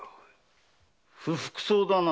不服そうだな？